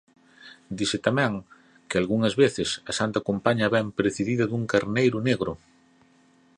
Dise tamén que algunhas veces a Santa Compaña vén precedida dun carneiro negro.